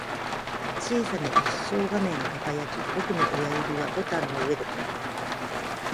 小さな液晶画面が輝き、僕の親指はボタンの上で止まる